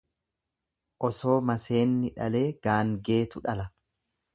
Osoo maseenni dhalee gaangeetu dhala.